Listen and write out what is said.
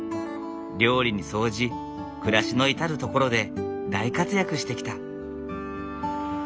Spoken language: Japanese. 料理に掃除暮らしの至る所で大活躍してきた。